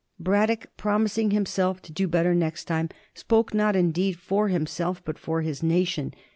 Brad dock, promising himself to do better next time, spoke not indeed for himself, but for his nation.